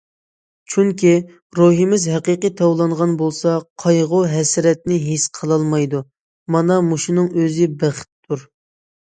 چۈنكى، روھىمىز ھەقىقىي تاۋلانغان بولسا قايغۇ- ھەسرەتنى ھېس قىلالمايدۇ، مانا مۇشۇنىڭ ئۆزى بەختتۇر.